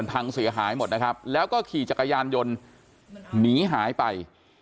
พังเสียหายหมดนะครับแล้วก็ขี่จักรยานยนต์หนีหายไป